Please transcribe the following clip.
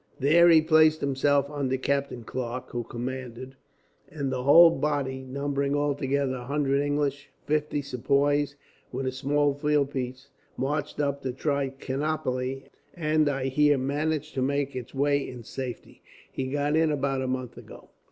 "There he placed himself under Captain Clarke, who commanded; and the whole body, numbering altogether a hundred English, fifty Sepoys, with a small field piece, marched up to Trichinopoli, and I hear managed to make its way in safety. He got in about a month ago."